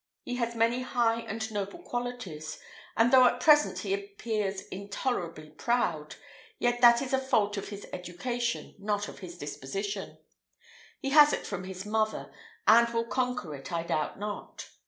He has many high and noble qualities, and though at present he appears intolerably proud, yet that is a fault of his education, not of his disposition; he has it from his mother, and will conquer it, I doubt not.